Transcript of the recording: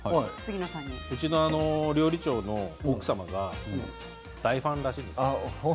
うちの料理長の奥様がファンだそうです。